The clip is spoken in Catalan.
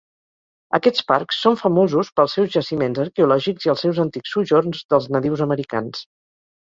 Aquests parcs són famosos pels seus jaciments arqueològics i els seus antics sojorns dels nadius americans.